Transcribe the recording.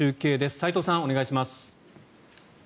齋藤さん、お願いします。